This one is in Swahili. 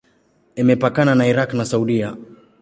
Imepakana na Irak na Saudia.